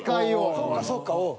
そうかそうか。